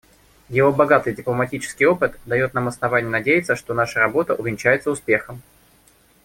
Его богатый дипломатический опыт дает нам основания надеяться, что наша работа увенчается успехом.